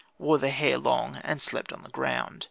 wore the hair long, and slept on the ground.